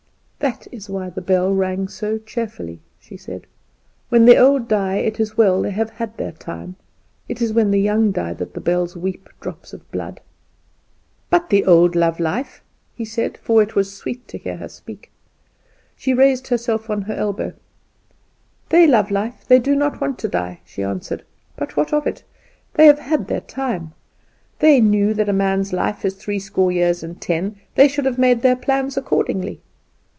"That is why the bell rang so cheerfully," she said. "When the old die it is well; they have had their time. It is when the young die that the bells weep drops of blood." "But the old love life?" he said; for it was sweet to hear her speak. She raised herself on her elbow. "They love life, they do not want to die," she answered, "but what of that? They have had their time. They knew that a man's life is three score years and ten; they should have made their plans accordingly!